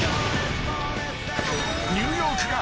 ［ニューヨークが］